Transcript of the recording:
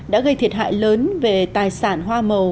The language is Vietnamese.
đã gây thiệt hại lớn về tài sản hoa màu